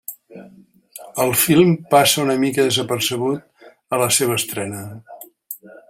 El film passa una mica desapercebut a la seva estrena.